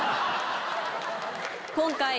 今回。